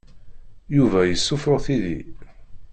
Yuba yessuffuɣ tidi.